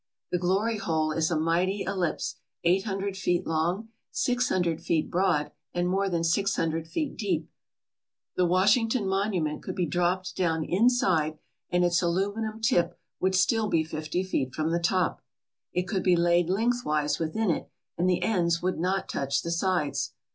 The Glory Hole is a mighty ellipse eight hundred feet long, six hundred feet broad, and more than six hundred feet deep. The Washington Monument could be dropped down inside and its aluminum tip would still be fifty feet from the top. It could be laid lengthwise within it and the ends would not touch the sides.